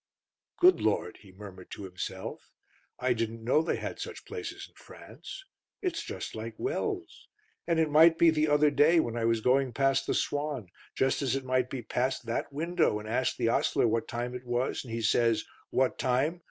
"Good Lord!" he murmured to himself. "I didn't know they had such places in France. It's just like Wells. And it might be the other day when I was going past the Swan, just as it might be past that window, and asked the ostler what time it was, and he says, 'What time?